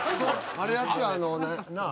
あのなあ？